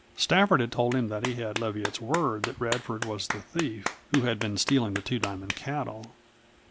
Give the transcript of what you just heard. Stafford had told him that he had Leviatt's word that Radford was the thief who had been stealing the Two Diamond cattle.